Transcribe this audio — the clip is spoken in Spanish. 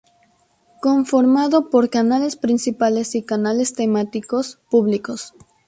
Conformado por canales principales y canales temáticos públicos.